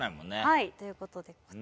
はいという事でこちら。